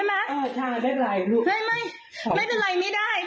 อืมม